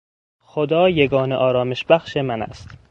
خدا یگانه آرامبخش من است.